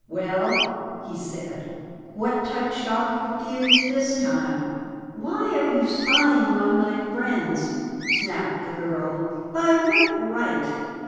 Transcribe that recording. "Well," he said, "What touched off the fuse this time?" "Why are you spying on my friends?" snapped the girl. "By what right?"